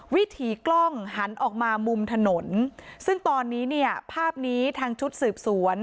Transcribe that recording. วิถีกล้องหันออกมามุมถนนซึ่งตอนนี้เนี่ยภาพนี้ทางชุดสืบสวน